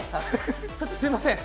ちょっとすみません。